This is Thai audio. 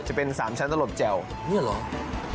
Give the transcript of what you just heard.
จะเป็นสามชั้นตะหรดแจวนี่เหรอ